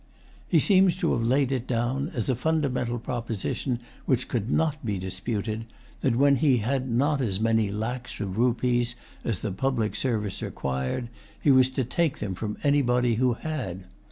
He seems to have laid it down, as a fundamental proposition which could not be disputed, that when he had not as many lacs of rupees as the public service required, he was to take them from anybody who had.